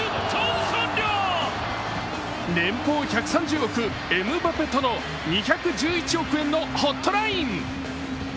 年俸１３０億、エムバペとの２１１億円のホットライン。